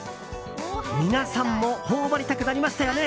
皆さんも頬張りたくなりましたよね？